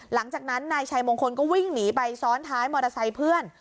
หลังจากนั้นนายชัยมงคลก็วิ่งหนีไปซ้อนท้ายมอเตอร์ไซค์เพื่อน